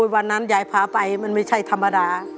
วันนั้นยายพาไปมันไม่ใช่ธรรมดา